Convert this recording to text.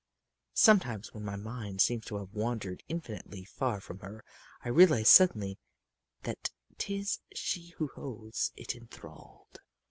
Sometimes when my mind seems to have wandered infinitely far from her I realize suddenly that 'tis she who holds it enthralled.